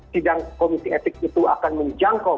sidang komisi etik itu akan menjangkau